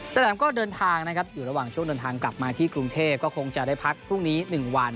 แหลมก็เดินทางนะครับอยู่ระหว่างช่วงเดินทางกลับมาที่กรุงเทพก็คงจะได้พักพรุ่งนี้๑วัน